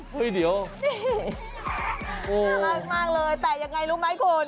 น่ารักมากเลยแต่ยังไงรู้ไหมคุณ